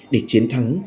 để chiến thắng